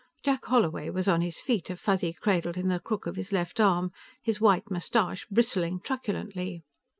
Jack Holloway was on his feet, a Fuzzy cradled in the crook of his left arm, his white mustache bristling truculently.